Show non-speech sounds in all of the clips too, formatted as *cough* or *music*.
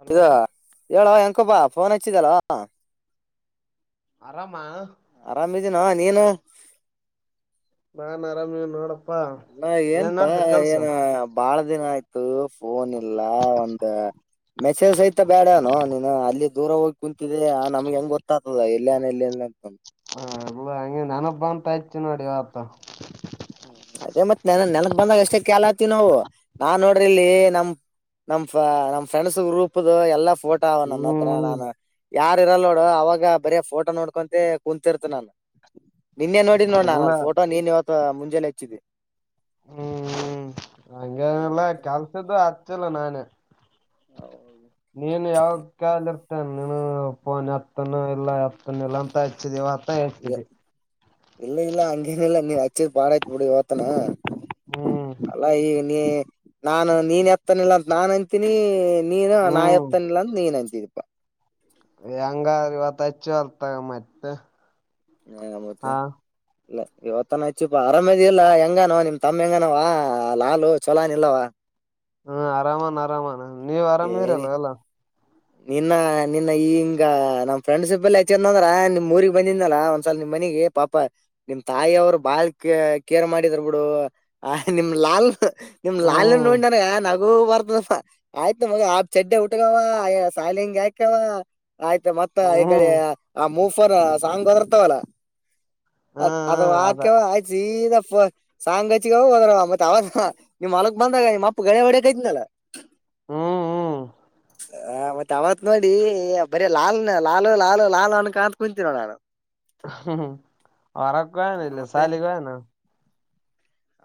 Hello ಇದೂ, ಹೇಳೋ, ಹೆಣ್ಕಪ್ಪ, ಫೋನ್, ಹಚ್ಚಿದಲೋ. *unintelligible* ಆರಾಮ. *inaudible* ಆರಾಮಿದೀನ ನೀನು ನಾನ್, ಅರಮವಾಣಿನೊಡು. *inaudible* ಅಲ್ಲ, ಏನ್ಪಾ, ಏನ, ಬಾಳ. *inaudible* ಎಸ್ಟುದೀನಾ, ಆಯ್ತು, ಫೋನ್, ಇಲ್ಲ, ಒಂದು. *unintelligible* ಮೆಸೇಜ್ ಸಹಿತ ಬ್ಯಾಡಾ ಅನು ನೀನು ಅಲ್ಲಿ ದೂರ ಹೋಗಿ ಕುಂತಿದ್ದ ನಮ್ಗೆ ಹೆಂಗ್ ಗೊತ್ತಾಗ್ತದ ಎಲ್ಲನ್ ಎಲ್ಲ ಅಂತ ಹ ಎಲ್ಲ ಹ ನೆನಬ್ಬ ಅಂತ ಆಯ್ತಿು ನೋಡಿ ವತ ಅದೇ ಮತ್ ನನ ನೆನಗ್ ಬಂದಾಗ ಅಷ್ಟೇ ಕಾಲ ಆತಿವ ನಾವು ನಾನ್ ನೋಡ್ರಿ ಇಲ್ಲಿ ನಮ ನಮ್ ನಮ್ ಫ್ರೆಂಡ್ಸ್ ಗ್ರೂಪ್್ದು ಎಲ್ಲ ಫೋಟೋ ಅವ ನನ್ನ ಹತ್ರ ಹ್ಮ್ ನಾನು ಯಾರ ಇರಲ್ ನೋಡು ಅವಾಗ ಬರೀ ಫೋಟೋ ನೋಡ್ಕೊಂತ ಕುೂಂತರ್ತ ನಾನು ನಿನ್ನೆ ನೋಡಿ ನೋ ನಾನ ಎಲ್ಲ ಅದ ಫೋಟೋ ನೀನ್ ಇವತ್ತು ತ್ತ ಮುಂಜಾನೆ ಹಚ್ಚಿದೆ ಹ್ಮ್ ಹಂಗೇನಿಲ್ಲ ಕೆಲ್ಸದ್ದು ಹಚ್ಚಿಲ್ಲ ನಾನೇ ನೀನು ಯಾವಕ್ಕ ಅಲ್ಲ ಪನ್ ಹತ್ತನು ಇಲ್ಲ ಹತ್ತನ ಇಲ್ಲ ಅಂತ ಹಚ್ಚಿದಿವತ ಹಚ್ಚಿದವಿ ಇಲ್ಲ ಇಲ್ಲ ಹಂಗೇನ ಇಲ್ಲ ನೀನ್ ಹಚ್ಚಿದ ಬಾಡ ಆಯ್ತ್ ಬಿಡಿ ಇವತ್ತನ ಹ್ಮ್ ಅಲ್ಲಾ ಈ ಎ ನಾನು ನೀನ್ ಎತ್ತನಿಲ್ಲ ಅಂತ ನಾನ್ ಅಂತೀನಿ ನೀನು ನಾ ಹ್ಮ್ ಎತ್ತನಿಲ್ಲ ಅಂತ ನೀನ್ ಅಂತಿದಿಪಾ ಹೆಂಗ ಇವತ್ತ ಹೆಚ್ಚು ಅಲ್ತಗ ಮತ್ತೆ ಹ ಮತ್ತೆ ಹಾ ಇಲ್ಲ ಇವತ್ತನ ಹೆಚ್ಚುಪ ಅರಾಮದ ಇಲ್ಲಾ ಹೆಂಗನವ ನಿಮ್ ತಮ್ಮ ಹೆಂಗನವ ಲಾಲು ಚಲಾಾನ ಇಲ್ಲವಾ ಹ್ಮ ಆರಾಮಾನ ಆರಾಮಾನ ನೀವ್ ಆರಾಮ ಏನಿ ಇರಲ್ಲ ಅಲ್ಲ ನಿನ್ನ ನಿನ್ನ ಈಂಗ ನಮ್ ಫ್ರೆಂಡ್ಸಪ್ಲ್ಲಿ ಹೆಚ್ಚ ಅಂದ್ರ ನಿಮ್ ಊಗ್ ಬಂದಿದನಲ್ಲ ಒಂದ್ಸಲ ನಿಮ್ ಮನಗೆ ಪಾಪ ನಿಮ್ ತಾಯಿ ಅವ್ರು ಬಾಳ್ ಕ ಕೇರ್ ಮಾಡಿದರ್ ಬಿಡು ಆ ನಿಮ ಲಾಲ್ ನಿಮ್ ಲಾಲ್ ಹ್ಮ್ ನೋಡ ನನ ನಗು ಬರ್ತ ಆಯ್ತ್ ಮಗ ಆಬ್ ಚಡ್ಡ ಉಟಗವ ಸಾಲಿಂಗಿ ಆಯಕವ ಆಯ್ತ ಮತ್ತ ಈ ಕಡೆ ಹ್ಮ್ ಹ್ಮ್ ಮೂಫರ್ ಸಾಂಗ್ ಹದರ್ತವಲ್ಲ ಅದ ಆಕ್ಯವ ಆಯ್ತ ಸೀದಾ ಸಾಂಗ ಅಚಿಗವ ಹೋದ್ರ ಮತ್ತೆ ಅವ ನಿಮ್ಮ್ ಮಲಗ್ ಬಂದಾಗ ನಿಮ್ಮ ಅಪ್ಪ ಗಳೆ ಹೊಡಕೈತನಲ್ಲ ಹ್ಮ್ ಹ್ಮ್ ಹ ಮತ್ತೆ ಅವವತ್ ನೋಡಿ ಬರೀ ಲಾಲ್ನ ಲಾಲ್ ಲಾಲ್ ಲಾಲ್ ಅಣಕ ಅಂತತ್ ಕುಂತೀ ನೋಡ ನಾನು ಹ್ಮ ವರಗ ಕೆ ಹಾ ಇಲೆ ಮತ್ತೆ ಶಾಲ ಗಿ ಹೊಗೆನ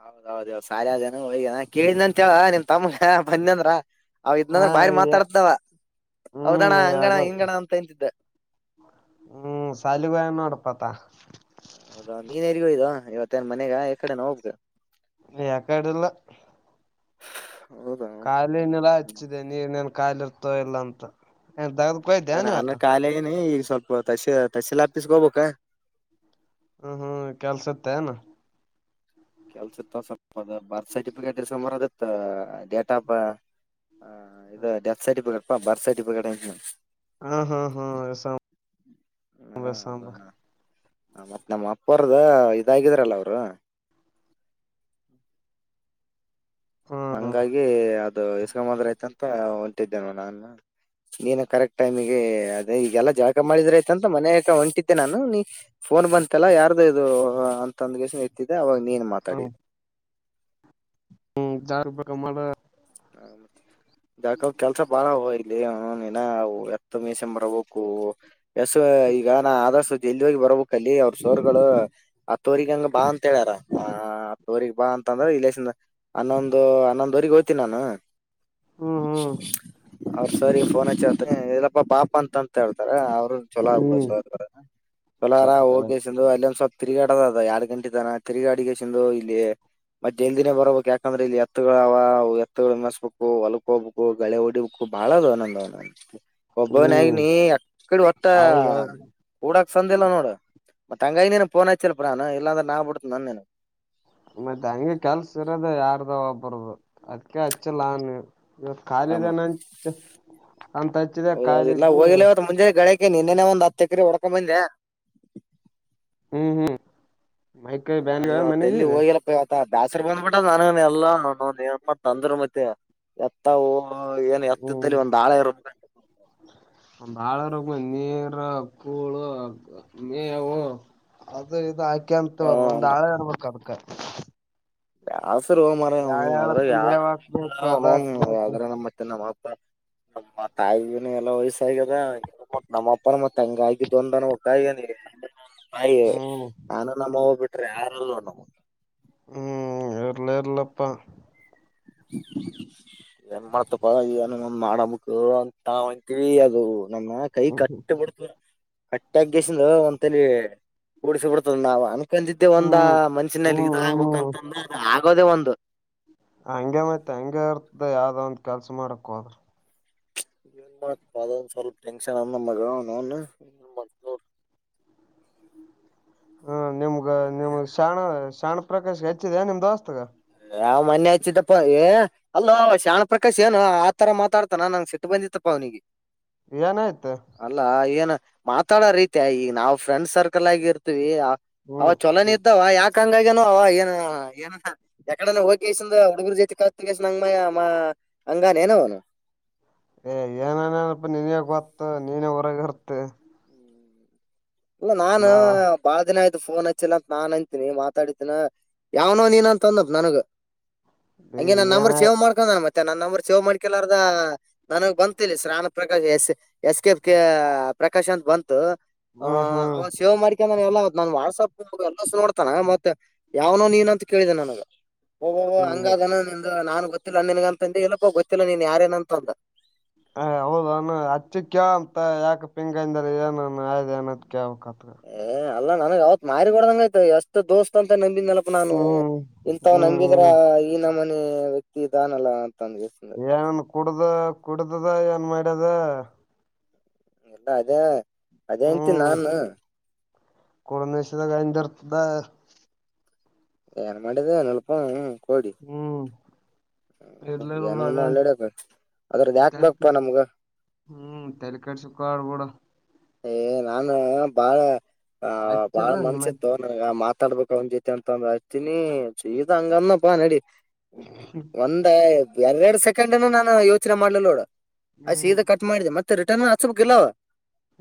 ಹೌದೌದು ಇವತುಸಾಲಿ ಅದನ್ನುಆದನ ಹೋಗಗ ಕೇಳಿನಂತವ ನಿಮ್ ತಮ್ಮ ಬಂದಂದ್ರ ಅವ ಹಾ ಇದ್ನಂದ್ರ ಬಾರಿ ಮಾತಾಡ್ತಿದವ ಹ್ಮ್ ಹೌದಣ್ಣ ಹಂಗಣ ಎಲ್ಲ ಹಿಂಗಣ ಅಂತ ಎಂತಿದ್ದ ಹ್ಮ್ ಸಾಲಿಗೆ ಹೋಗ್ಯಾನ ಆತ ಹೌದಾ ನೀನು ಎಲ್ಲಿಗೆ ಹೋಗಿದ್ದು ಇವತ್ತೇಏನ್ ಮನೆಗ ಈ ಕಡೆನ ಹೋಗ್ಬೇಕಾ ಯಕಾಡೆಲ್ಲ ಹೌದಾ ಹ್ಮ್ ಖಾಲಿನೆಲ ಹಚ್ಚಿದೆ ನೀರಿನೇನ್ ಖಾಲಿ ಇರ್ತೋ ಇಲ್ಲ ಅಂತ ಏನ್ ತಗದಕೋ ಇಲ್ಲ ಇದ್ದ್ಯಾನ್ ನಾನು ಇವತ್ತ ಕಖಾಲಿ ನಿ ಈಗ ಸ್ವಲ್ಪ ತಶ ತಶೀಲ್ ಆಪಿಸಕೋಬೇಕ ಹ್ಮ ಹ್ಮ್ ಕೆಲ್ಸತ್ತೆ ಏನ ಕೆಲ್ಸ ಇತ್ತ ಸ್ವಲ್ಪದ ಬರ್ತ್ ಸರ್ಟಿಫಿಕೇಟ್ ಇಸ್ಕೊಂಡು ಬರಬೇಕಿತ್ತು ಡೇಟ ಹಂ ಇದದು ಡೆತ್ ಸರ್ಟಿಫಿಕೇಟ್ ಪಾರ್ತ್ ಸರ್ಟಿಫಿಕೇಟ್ ಹಾ ಹಾ ಹಾ ಎಸಸ ಮತ್ತ್ ನಮ್ಮ ಅಪ್ಪರ್ದ ಇದಾಗಿದ್ರಲ್ಲ ಅವ್ರು ಹ್ಮ್ ಹ್ಮ್ ಹಂಗಾಗಿ ಅದು ಇಸ್ಕೊಂಡು ಬಂದ್ರೆ ಅಂತ ಹೊಂಟಿದ್ದೇನು ನಾನು ನೀನು ಕರೆಕ್ಟ್ ಟೈಮಿಗೆ ಅದೇ ಈಗೆಲ್ಲಾ ಜಳಕ ಮಾಡಿದ್ರಯ್ತಂತ ಮನ್ಯಕ ಹೊಂಟಿತ್ತೆ ನಾನು ನೀ ಫೋನ್ ಬಂತೆಲ್ಲ ಯಾರ್ದು ಇದು ಅಂತಂದಗೆಸ ಎತ್ತಿದೆಅವಾಗ ನೀನ್ ಹ್ಮ್ ಮಾತಾಡಿದ್ದ ಹ್ಮ್ ಜಾರ್ ಬ ಮಾಡ ಹ ಮತ್ತೆ ಯಾಕ ಅವ ಕೆಲ್ಸ ಬಾಳ ಹವ ಲ್ಲಿನು ನೀನ ಎತ್ತ ಮೈಸಿಕೊಂಡಮಾಡರಬೇಕು ಎಸ್ ಈಗ ನಾ ಆದರ್ ಎಲ್ಲಿ ಹೋಗಿ ಬರ್ಬೇಕು ಅಲ್ಲಿ ಅವ್ರ ಸರ್ಗಳು ಹತ್ತುವರಿ ಹಂಗ ಬಾ ಅಂತ ಹೇಳ್ಯಾರ ಹ ಹತ್ತವರಿಗಿಬಾ ಅಂತಂದ್ರೆ ಇಲ್ಲೇಶನ್ ಹನ್ನೊಂದು ಹನ್ನೊಂದವರಿಗೆಗ್ ಹೋಗ್ತೀನಿ ನಾನು ಹ್ಮ್ ಹ್ಮ್ ಅವ್ರ ಸರಿ ಫೋನ್ ಹಚ್ಚಿತ ಇಲ್ಲಪ್ಪಾ ಅಪ ಅಂತಂತ ಹಳ್ತಾರ ಅವ್ರರು ಚಲೂ ಆಯ್ತು ಬಿಡು ಹ್ಮ್ ಸರ್ ಚಲೋ ರ ಹೋಗಿ ಅಲ್ಲಿ ಒಂದ್ ಸ್ವಲ್ಪ ತಿರುಗಾಡದ ಅದ ಎರಡ್ ಗಂಟೆ ತಾನ ತಿರುಗಾಡಿಗೆ ಚಂದು ಇಲ್ಲಿ ಟ್ ಜಲ್ದಿನೆ ಬರಬೇಕು ಯಾಕಂದ್ರೆ ಇಲ್ಲಿ ಎತ್ತುಗಳ ವಾ ಎತ್ತುಗಳು ಮೆಸ್ಬೇಕು ಹೊಲಕ್ ಹೋಗ್ಬೇಕು ಗಳೆ ಹೊಡಿಬೇಕು ಬಹಳ್ದ ನನ್ನವ ಒಬ್ಬವನಾಗಿ ಹ್ಮ್ ನೀ ಅಕ್ಕಡೆ ಹೊತ್ತ ಹೌದೌದು ಕೂಡ ಸಂದ ಇಲ್ಲ ನೋಡು ಮತ್ ತಂಗ ನೀನ್ಫೋನ್ ಆಯ್ತಲ್ಪನು ಇಲ್ಲಾಂದ್ರೆ ನಾ ಬಿಡ್ತನ ನ ಮತ್ತೆ ಹಂಗೆ ಕೆಲ್ಸ ಇರೋದ ಯಾರದ ಒಬ್ಬರದು ಅದ್ಕ ಹಚ್ಚಿಲ್ಲಾ ನಾನು ಇವತ್ ಖಾಲಿ ಇದೆ ನಂತ ಹ ಹೌದೌದು ಇಲ್ಲಾ ಇವತ್ತು ಹೋಗಿಲ್ಲ ಮುಂಜಾನೆಗಳ ನಿನ್ನನೆ ಒಂದ್ ಹತ್ತು ಎಕ್ರೆ ಒಡ್ಕೊ ಬಂದ್ಯ ಹ್ಮ್ ಹ್ಮ್ ಮೈಕೈ ಬ್ಯಾನಾ ಮನೆಗಿದೆ ಮತ್ತ ಬೇಸರು ಬಂದ್ಬಿಟ್ಟ ನನ ಎಲ್ಲ ನು ನಾನಮ್ಮ ಅಂದರು ಮತ್ತೆ ಎತ್ತ ಹೋ ಹ ಏನ್ ಹ್ಮ್ ಎತ್ತಿದ್ದಲ್ಲಿ ಒಂದ್ ಹಾಳ ಇರುತ್ತೆ *unintelligible* ನೀರ್ ಕೂಳು ಮೇವು ಅದು ಇದು ಹಾಕೆ ಅಂತ ಒಂದ ಹ್ಮ ಆಳ ಇರಬೇಕು ಅದಕ ಬ್ಯಾಸ್ರೋ ಮಾರಾಯ ಅವನು ಅದ್ರ ಯಾವ ಮೇವ್ ಹಾಕ್ಬೇಕ ಅದ ಹಾಕ್ಬೇಕು ಆದ್ರ ಗ ನಮ್ಮ ಮತ್ತೆ ನಮ್ಮ *inaudible* ನಮ್ಮ ತಾಯಿಗೆ ಎಲ್ಲ ವಯಸ್ಸ ಆಗ್ಯದ ನಮ್ಮಪ್ಪನ ಮತ್ತ ಹಂಗ ಆಗಿದ್ದೊಂದನ್ ನೀ ತಾಯಿ ಹ್ಮ್ ನಾನು ನಮ್ಮವ ಬಿಟ್ರೆ ಯಾರಲ್ವಾ ನೋಡು ಹ್ಮ್ ಇರಲಿ ಇರಲಿ ಇಲ್ಲಪ್ಪಾ ಏನ್ ಮಾಡ್ತಪ್ಪನ ಮಾಡಮಕ್ ಅಂತಾವಂತಿ ಅದು ನಮ್ಮ ಕೈ ಹ್ಮ್ ಕಟ್ಟ ಬಿಡ್ತವ ಕಟ್ಟಗಸಿಂದ ಒಂತಲಿ ಡ್ಸ ಬಿಡ್ತದ ನಾವು ಅನ್ಕಂದಿದ್ದೆ ಒಂದ ಹ್ಮ್ ಮನ್ಷ್ಯಿನಲ್ಲಿ ಹ್ಮ್ ಇದ ಹ್ಮ್ ಆಗ್ಬೇಕಕ್ ಹ್ಮ್ ಅಂತಂದ್ರೆ ಆಗೋದೇ ಒಂದು ಹಂಗೆ ಮತ್ತೆ ಹಂಗಗೆ ಇರ್ತ ಯಾವ್ದೋ ಒಂದ್ ಕೆಲ್ಸ ಮಾಡಕ್ ಹೋದ್ರ ಏನ್ ಮಾಡ್ತ ಅದೊಂದ ಸ್ವಲ್ಪ ಟೆನ್ನ್ ಅ ಮಗ ಅವ ನಾವುನ ಮತ್ತ್ ನೋಡ *inaudible* ಹಾ ನಿಮ್ಗ ನಿಮ್ ಶಾಣ ಶಾಣ ಪ್ರಕಾಶ್ ಹೆಚ್ಚಿದ ನಿಮ್ ದೋಸ್ತಗ ಯಾವ್ ಮನೆೆ ಹಚ್ಚಿದ್ದಪ್ಪ ಏ ಅಲ್ಲೋ ಶಾಣ ಪ್ರಕಾಶ್ ಏನು ಆತರ ಮಾತಾಡ್ತಾನ ನಂಗ ಸಿಟ್ಟು ಬಂದತ್ತಪ್ಪ ನಿಗೆ ಏನಾಯ್ತು ಮಾತಾಡೋ ರೀತ ಈಗ ನಾವ್ ಫ್ರೆಂಡ್ ಸರ್ಕಲ್ ಆಗಿ ಇರ್ತೀವಿ ಅವ ಹ್ಮ್ ಚಲೋನ ಇದ್ದಾವ ಯಾಕ ಯಕ್ಕಂಗಗನೋ ಅವ ಏನ ಏನಂತ ಎಕಡ ಹೋಗಸನ್ ಹುಡುಗರು ಜೊತೆ ಕತ ಕೆಸ ಅಂಗಮ್ಮಯ ಮಾ ಹಂಗಾನೇನ ಅವನು *unintelligible* ಏ ಏನಾನನಪ ನೀನೇ ಗೊತ್ತು ನೀನೇ ಹೊರಗೆ ಇರ್ತಿ ಇಲ್ಲ ನಾನ ನಾವ ಬಾಳ ದಿನ ಆಯ್ತ ಫೋನ್ ಹಚ್ಚಿಲ್ಲ ಅಂತ ನಾನ್ ಅಂತೀನಿ ಮಾತಾಡಿದೀನ ಯಾವನೋ ನೀನ ಅಂತ ಅಂದಪ್ ನನಗ ಹಂಗೆ ನಾ ಏನ ನಂಬರ್ ಸೇವ್ ಮಾಡ್ಕೊಂಡ ಮತ್ತೆ ಮ ನನ್ನ ನಂಬರ್ ಸೇವ್ ಮಾಡ್ಕಲಾರದ ನನಗ್ ಬಂತ ಶ್ರನ Prakash S S K Prakash ಅಂತ ಬಂತು ಹ್ಮ್ ಹ್ಮ್ ಯ ಎಲ್ಲ ನಾನ್ ವಾಟ್ಸಪ್ ನ ಎಲ್ಲ ಸ ನೋಡ್ತನ ಮತ್ತೆ ಯಾವ್ನೋ ನೀನ್ ಅಂತ ಕೇಳಿದ ನನಗ. ಓಬೋ ಹಂಗ ಅನ ನಿಂದು ನಾನನ್ ಗೊತ್ತಿಲ್ಲ ಅಣನ್ಗ ಅಂತಂದ ಇಲ್ಲಪ್ಪ ಗೊತ್ತಿಲ್ಲ ನೀನ್ ಯಾರೇಏನಂತಂದ. ಹ ಹೌದಾನ ಅಚ್ಚಿಕ್ಕ್ಯ ಅಂತ ಯಾಕ ಪಿಂಗಯಂದರ ಏನ ಆಯ್ದ ಏನ. ಕ ವಕತ್ತ *unintelligible* ಏ ಅಲ್ಲ ನನ ಯಾವತ್ ಮಾರಿ ಕೊಡದಂಗ ಯತ ಎಷ್ಟ ದೋಸ್ತ್ ಅಂತ ನಿ ನೆನಪ ನಾನು ಹ್ಮ್ ಇಂಥ ನಂಬಿದ್ರ ಹ್ಮ್ ಈ ನ ಮನೆ ವ್ಯಕ್ತಿ ಇದಾನಲ್ಲ ಅ ಏನನ್ ಕುಡ್ದ ಕುಡ್ದದ ಏನ್ ಮಾಡ್ಯದ ಎಲ್ಲ ಅದೇ ಅದೇ ಎಂತ ಹ್ಮ್ ನಾನು *inaudible* *unintelligible* ಏನ್ ಮಾಡಿದೆ ಏನಪ್ಪ ಹ್ಮ್ ಹ ಇರ್ಲರ್ ಏನ ಮಾಡಕ್ ಅದ್ರದ ಯಾಕ್ ಬಪ್ಪಾ ಅದ ನಮ್ಗ ಹ್ಮ್ ತಲ್ಲಿ ಕಸ ಕಾಡ್ಬಡ *unintelligible* ಏ ನಾನ ಬಾಳ ಆಹ ಬಾಳ ಹಚ್ಚಲ್ಲ ನಿಮ್ಮ ಮನ್ಸಿತ್ತು ನನ್ಗ ಮಾತ *unintelligible* ಮಾಡ್ಬೇಕಕ್ ಅವ್ ಜೊತಿ ಅಂತ ಅಂದ ಆತಿನಿ ಈದ ಹಂಗನಪ್ಪಾ ನಡಿ. ಒಂದ ಎರರಡ್ ಸೆಕೆಂಡ್ನ ನಾನು ಯೋಚನೆ ಮಾಡ್ಲ ನೋಡು. ಅ ಹ್ಮ್ ಸೀದಾ ಕಟ್ ಮಾಡಿದೆ ಮತ್ತೆ ರಿಟರ್ನ್ ಹಚ್ಬಕ್ ಇಲ್ಲವ.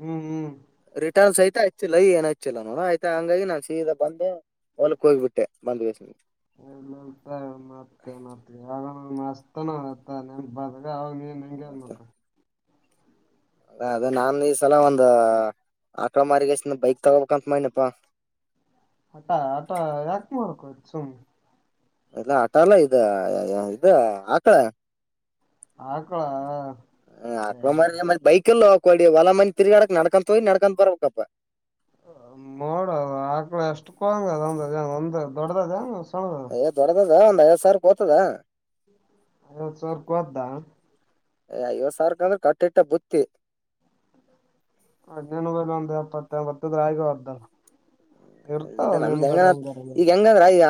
ಹ್ಮ್ ಹ್ಮ್ *unintelligible* ಸಹಿತ ಹಚ್ಚಿಲ್ಲ ಈ ಏನು ಹಚ್ಚಿಲ್ಲ ನೋ ಆಯ್ತ ಹಂಗಾಗಿ ನಾನ್ ಸೀದ ಬಂದೆ. ಹೊಲಕ್ ಹೋಗ್ಬಿಟ್ಟೆ ಬಂದ್ ವೇಸ್ *unintelligible* ಎತ ಮತ್ತೆ ಮತ್ತ ಮಸ್ತೆ *unintelligible* ಹ ಮಂಗ ಮಕ *unintelligible* ಅದೇ ನಾ ಈ ಸಲ ಒಂದು. ಆಕಳ ಮಾರಿಗಸನ ಬೈಕ್ ತಗೋಬೇಕಂತ ಮಾಡನಪ್ಪಾ. ಹಟ ಆಟ ಎ ಮಾರಕ ಚು *unintelligible* ಎಲ್ಲ ಹಟ ಎಲ್ಲಾ ಇದು ಆಕಳ. ಹಕಳಾ. ಅಕಳ ಮ ಬೈಕ ಎಲ್ಲಕಡಿ ಹೊಲ ಮಂದಿ ತಿರ್ಗಾಡಕ್ ನಡ್ಕೊಂತ ಹೋಗಿ ನಡ್ಕೊಂಡಂತ ಬರ್ಬೇಕಪ್ಪ. ನೋಡದು ಆಕಳ ಎಷ್ಟ ಕೋಂಗದ ಒಂದ ಒಂದ ದೊಡ್ಡದದಂಗ. *unintelligible* ಯ್ ದೊಡ್ಡದ ಒಂದ್ ಐವದ್ ಸಾವಿರ ಕೋತದ. ಹ ಐವತ್ತು ಸಾವಿರ್ಕ ಕೊದ್ದಾ. ಐವತ್ ಸಾವಿರಕಂದ್ರೆ ಕಟ್ಟಿಟ್ಟ ಬುತ್ತಿ *unintelligible* ಅದ್ನ ಒಂದ ಎಪ್ಪತ್ತಂಬತ್ತದ ಆಗವದ್ದ. ಇಲ್ಲ ನಮ್ದ್ ಹೆಂಗ ಹಂಗಾರ ಈಗ ಹೆಂಗಂದ್ರ ಈಗ *unintelligible*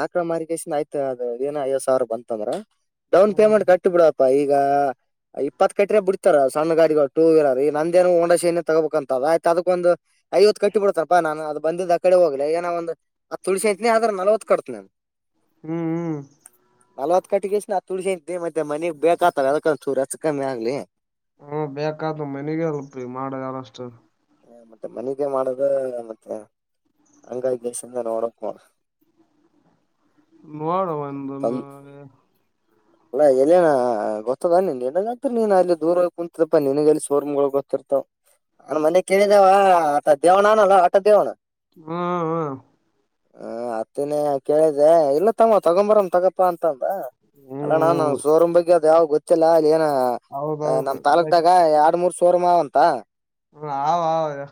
ಆಕಡ ಮಿಕೇಶನ್ಯ್ತ ಅದದು ಏನ ಐವ್ ಸಾವಿರ ಬಂತಂದ್ರ ಡೌನ್ ಹ್ಮ್ ಪೇಮೆಂಟ್ ಕಟ್ಟಿಬ ಬಿಡ *unintelligible* ಪೈಗ. ಇಪ್ಪತ್ ಕಟ್ರ ಬಿಡ್ತಾರ ಸಣ್ಣ ಗಾಡಿಗಳು ಟೂ ವೀಲರ್ ಈ ನಂದೇನು ಹೊಂಡಾಶೆನೇ ತಗೋಬೇಕಕ್ಂತದ ಆಯ್ತ ಅದಕ್ಕೊಂದು. ಐವತ್ತು ಕಟ್ಟಿ ಬಿಡ್ತನಪ್ಪಾ ನಾನು ಅದು ಬಂದಿದ್ದ್ ಆ ಕಡೆ ಹೋಗ್ಲಿ ಏನ ಒಂದು. ಅ ತುಳಸಿತನಿ ಆದ್ರ ನಲ್ವತ್ ಕಡ್ತನನ್ ಹ್ಮ್ ಹ್ಮ್ ನವತ್. ಕಟ್ಟಗಸ ತುಳಸ ಮತ್ತೆ ಮನೆಗ್ ಬೇಕಾತ್ತತದಕ ಚೂ ಕಮ್ಮಿ ಆಗ್ಲಿ. ಹ್ಮ ಬೇಕಾದೂ ಮನೆಗ ಅಲ್ಪ ಮಾಡ ಯಾರಷ್ಟ. ಹ ಮತ್ತೆ ಮನೆಗೆ ಮಾಡದ ಮತ್ತೆ *unintelligible* ಹಂಗ ಗೇಶ ರೋಡಕ್ಕಣ *unintelligible* ಮಾಡಡ ಒಂದ ನ *unintelligible* ಅಲ್ಲಾ ಎಲ್ಲನ ಗೊತ್ತದಾನನ್ಗ ಆಗ್ತರಿ ನೀನ್ ಅಲ್ಲಿ ದೂರ ಕುೂಂತದಪ್ಪಾ ನಿನಗ ಅಲ್ಲಿ ಸೋರ್ಮ್ಳ ಗೊತ್ತರಿ *unintelligible* ಮನೆ ಕೇಳಿದೆವ ಆ ದೇವಣ ನಲ್ಲ ಆಟ ದೇವಣ. ಹಾ ಹಾ *unintelligible* ಹ ಅತ್ತಿನೇ ಕೇಳಿದ್ದೆ ಇಲ್ಲ ತಮ್ಮ ತಗೊಂಬರನ್ ತಗಪ್ಪಾ ಅಂತಂದ. ಹ್ಮ *unintelligible* ಅಲ್ಲಣ್ಣ ನಂದ್ ಶೋರೂಮ್ ಬಗ್ಗೆ ಅದು ಯಾವ್ ಗೊತ್ತಿಲ್ಲ ಅಲ್ಲಿ ಏನ ಹೌದೌದು ನಮ್ಮ ಗೊತ್ ತಾಲಕಕ್ದಾಗ ಎರಡು ಮೂರು *unintelligible* ಕೋರ್ಮ ಅಂತ. ಹ ಆ ಆದಾ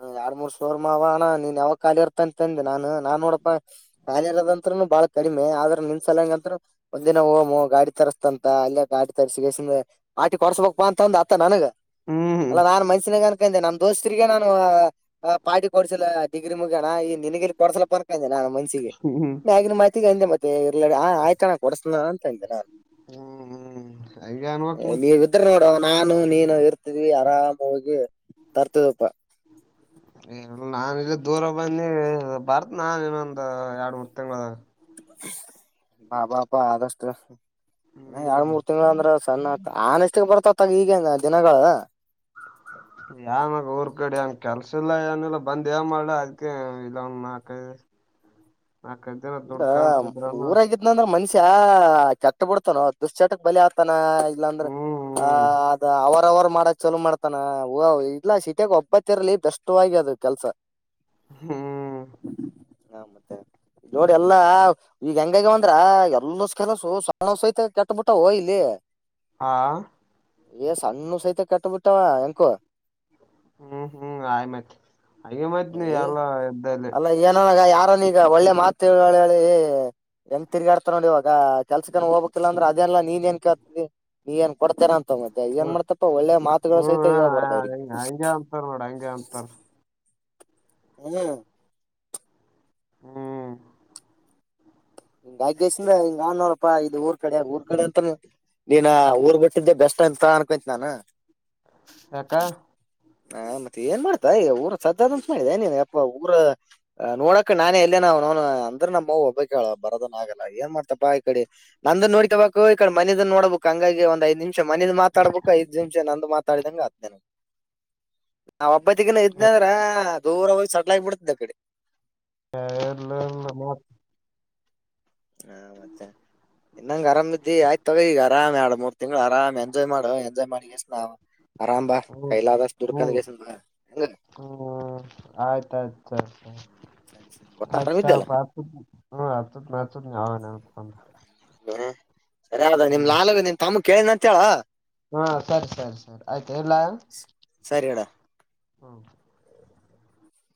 ಹ ಎರಡ್ ಮೂರ್ ಸೋರ್ ಮಾ ಅವ ಅಣ್ಣ ನೀನ್ ಯಾವಾಗ ಖಾಲಿ ಇರ್ತ ಅಂತಂದೆ ನಾನು ನಾನ್ ನೋಡಪ್ಪ ಕಾಲಿ ಇರೋದಂತ್ರನು ಬಾಳ ಕಡಿಮೆ ಆದ್ರ ನಿನ್ ಸಲಂಗಂತ ಒಂದಿನ ಹೋಮ ಗಾಡಿ ತರಿಸಸ್ತಂತ ಅಲ್ಲಿ. ಆಟಿ ತರಿಸಿಸ ಪಾಟಿ ಕೊಡಸಬಬೇಕಕ್ಪ್ಪಾ ಅಂತ ಒಂದ ಅತ್ತ ನನಗ *unintelligible* ಹ್ಮ್ ಅಲ್ಲಾ ನಾನ್ ಮನ್ಷಸಿನ ಕ ಅನ್ಕೆ ನಮ ದೋಸ್ತರಿಗೆ ನಾ. ಪಾಟಿ ಕೊಡ್ಸಿಲ್ಲ ಡಿಗ್ರಿ ಮುಗ್ಯಣ ಈ ನಿನಗಿರಿ ಕೊಡ್ಸಲಪ್ಪ ಅನ್ಕಂದ. ನಾನು ಮನ್ಸಿಗೆ ಹ್ಮ್ ಬಗಿನ ಮಾಹತಿಗೆ ಅಂದೆ ಮತ್ತೆ ಇರ್ ಆಯ್ತಣ ಕೊಡಸನ ಅಂತ ಹೇಳ್ದೆ ನಾನು. ಹ್ಮ್ ಹ್ಮ್ ಅ ಅನ್ವಕ್ ಮು ನೀವ್ *unintelligible* ಇದ್ರ ನೋಡು ನಾನು ನೀನು ಇರ್ತಿದವಿ ಆರಾಮ್ ಹೋಗಿ ತರ್ತಿದಪ್ಪ. ಹ *unintelligible* ನಾನ ಇಲ್ಲಿ ದೂರ ಬಂದಿ ಬರ್ತ್ ನಾನ್ ಇನ್ನೊಂದು ಎರಡ್ ಮೂರ್ ತಿಂಗಳ ಬಾಬಾಪ ಆದಷ್ಟ ಇ ಎರಡ್ ಹ್ಮ್ ಮೂರ್ ತಿಂಗಳ ಅಂದ್ರ ಸಣ್ಣ ಆತ ಆನ್ ಎಷ್ಟಿಗೆ ಬರ್ತತ್ತಗ ಈಗಂಗ ದಿನಗಳ ಹ ಯನಾಗ ಊರ್ ಕಡೆ ಅವನ್ ಕೆಲ್ಸ ಇಿಲ್ಲ ಏನಿಲ್ಲ ಬಂದ ಏನ್ ಮಾಡ್ಲ ಅದಕ ಇದ ಅವನ್ ನಾಕೈ ಹ್ಮ್ ಇಲ್ಲ ಊರಾಗಿದ್ನ ಅಂದ್ರ ಮನ್ಷ್ಯ ಕೆಟ್ಟ ಬಿಡ್ತಾನೋ ದುಶ್ಚಟಕ್ ಬಲಿ ಆಗ್ತಾನ ಇಲ್ಲಾ ಅಂದ್ರೆ ಆ ಹ್ಮ್ ಅ ವಾರ ವಾರ ಮಾಡಕ್ ಚಲ ಮಾಡ್ತಾನ ಇಲ್ಲಾ ಶೀಟಾಗ ಒಬ್ಬತ್ತ ಇರ್ಲಿ ದಷ್ಟವಾಗಿ ಅದು ಕೆಲ್ಸ ಹ್ಮ್ ಹಾ ಮತ್ತೆ ನೋಡಿ ಎಲ್ಲಾ ಈಗ ಹೆಂಗಾಗಿ ಅಂದ್ರ ಎಲ್ಲ ಕೆಲಸು ಸಣ್ಣ ಸಹಿತ ಕೆಟ್ಟಬಿಟ್ಟ ಹೋ ಇಲ್ಲಿ ಹಾ ಏ ಸಣ್ಣು ಸಹಿತ ಕಟ್ಟಬಿಟ್ಟಾವ ಎಂಕೋ ಹ್ಮ್ ಹ್ಮ್ ಆಯ ಮತ್ ಹಾಗಿ ಮೈತ್ ನೀ ಎಲ್ಲ ಇದ್ದಲ್ಲಿ ಕಾರನ್ ಈಗ ಒಳ್ಳೆ ಮಾತು ಹೇಳಿ ಎಂಗ ತಿಗಾಡ್ತಾರ ನೋಡಿ ಇವಾಗ ಕೆಲ್ಸಕನ ಹೋಗಕ್ತಿಿಲ್ಲ ಅಂದ್ರೆ ಅದೆನಲ್ಲ ನೀನ್ ಏನ್ ಕೇಳ್ತತಿ ನೀ ಏನ್ ಕೊಡ್ತೀರಂತ ಮತ್ತ ಮತ್ತೆ ಏನ್ ಹ್ಮ ಮಾಡ್ತಪ್ಪ ಒಳ್ಳೆ ಮಾತುಗಳ ಹ್ಮ್ ಸಹಿತ ಹೇಳ್ಬಾರ್ದ ಅವ್ರಿಗೆ ಗೆ ಅಂತರ ಹ್ಮ್ ಹ್ಮ್ ಹಿಂಗ ಆಗ್ಗಸ್ರ ಹಿಂಗ ಅನ್ನೋರಪ್ಪಾ ಇದು ಊರ್ ಕಡೆ ಊರ್ ಕಡೆ ಅಂತಾನ ನೀನ್ ಊರ್ ಬಿಟ್ಟಿದ್ದೆ ಬೆಸ್ಟ್ ಅಂತ ಅನ್ಕೊಂತ ನಾನು ಹಕ್ಕ ಹಾ ಮತ್ತೆ ಏನ್ ಮಾಡ್ತಾ ಊರ ಸದ್ದದಂಂತ ಮಾಡೆ ನೀನ್ ಯಪ್ಪ ಊರ ನೋಡಕ ನಾನೇ ಎಲ್ಲ ನ ನ ಅಂದ್ರ ನಮ್ಮವು ಒಬ್ಬಕ್ ಹೇಳ ಬರೋದನ್ ಆಗಲ್ಲ ಏನ್ ಮಾಡ್ತಾ ಈ ಕಡೆ ನಂದ ನೋಡ್ಕಬಬೇಕು ಈ ಕಡೆ ಮ ಮನ ನೋಡ್ಬೇಕು ಹಂಗಾಗಿ ಒ್ ಐ್ ನಿಮಿಷ ಮನದ ಮಾತಾಬೇಕು ಐದು ನಿಮಿಷ ನಂದು ಮಾತಾಡಂಂಗ ಅದ್ ನನ ಹ ನಾ ಒಬ್ಬತಿಗನ ಇದ್ನ ಅಂದ್ರ ದೂರ ಹೋಗಿ ಸಟ್ಲ ಆಾಗಿ ಬಿಡ್ತದ್ ಅ ಕಡೆ ಕೇರಳ ನಮ್ಮ ಹಾ ಮತ್ತೆ ಇನ್ನಂಗ ಆರಾಮ ಇದ್ದಿ ಆಯ್ತ ತಗ ಈಗ ಆರಾಮ್ ಆ ಮೂರ್ ತಿಂಗಗಳುಳ ಆರಾಮ ಎಂಜಾಯ್ ಮಾಡುವ ಎಂಜಾಯ್ ಮಾಡಿಷ್ಟ ನಾವ್ ಆರಾಮ ಬಾ ಹ್ಮ್ ಕೈಲದಾಸ ದದುರ್ಕಗೆಸ ಬ ಹೆಂಗ ಆಯ್ತ ಆಯ್ತು ಆ ಸರಿ ಸರಿ ಒಟ್ಟ ಆರಾಮಿದ್ದಲ್ಲ ಆಯ್ತಾತ ಹ ಆತತ ಸರಿ ಅದ ನಿಮ್ ಲಾಾಲಗ ನಿನ್ ತಮ್ಮ ಕೇಳಿದ ಅಂತ ಹೇಳೇಳ ಹಾ ಸರಿ ಸರಿ ಸರಿ ಆಯ್ತು ಎಲ್ಲ ಸರಿ ಅಣ್ಣ ಹ್ಮ